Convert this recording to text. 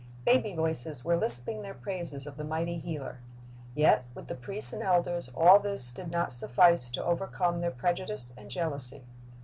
Baby voices were lisping the praises of the mighty Healer. Yet with thei priests and elders all this did not suffice to overcome their prejudice and jealousy.